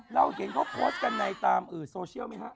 เราเก่งข้อโพสต์กันไงตามอื้อโซเชียลมั้ยฮะ